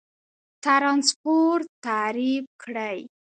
ترانسپورت تعریف کړئ.